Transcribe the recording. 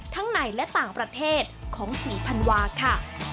ทั้งในและต่างประเทศของศรีพันวาค่ะ